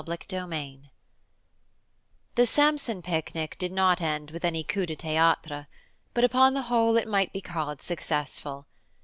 CHAPTER XIII THE Sampson picnic did not end with any coup de théâtre, but upon the whole it might be called successful.